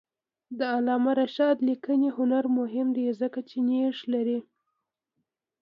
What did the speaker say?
د علامه رشاد لیکنی هنر مهم دی ځکه چې نیښ لري.